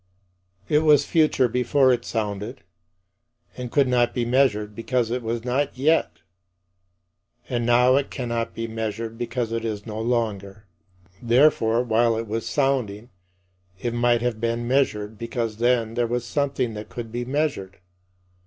It was future before it sounded, and could not be measured because it was not yet; and now it cannot be measured because it is no longer. Therefore, while it was sounding, it might have been measured because then there was something that could be measured.